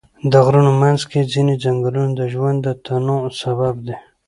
د غرونو منځ کې ځینې ځنګلونه د ژوند د تنوع سبب دي.